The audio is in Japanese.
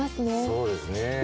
そうですね。